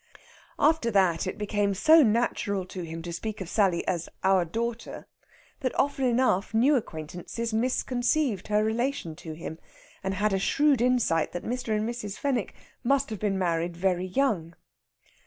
After that it became so natural to him to speak of Sally as "our daughter" that often enough new acquaintances misconceived her relation to him, and had a shrewd insight that Mr. and Mrs. Fenwick must have been married very young.